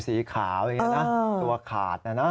สีขาวอย่างนี้นะตัวขาดนะนะ